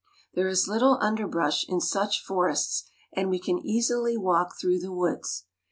There is little underbrush in such forests, and we can easily walk through the woods.